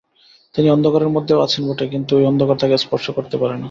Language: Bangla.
তিনি অন্ধকারের মধ্যেও আছেন বটে, কিন্তু ঐ অন্ধকার তাঁকে স্পর্শ করতে পারে না।